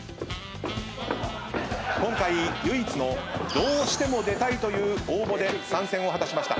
今回唯一の「どうしても出たい」という応募で参戦を果たしました。